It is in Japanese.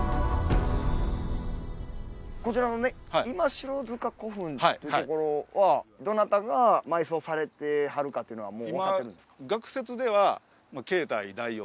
こちらのね今城塚古墳っていうところはどなたが埋葬されてはるかっていうのはもう分かっているんですか。